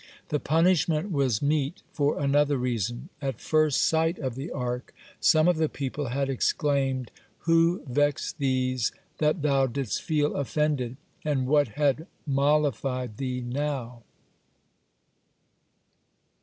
(38) The punishment was meet for another reason. At first sight of the Ark some of the people had exclaimed: "Who vexed these that thou didst feel offended, and what had mollified thee now?"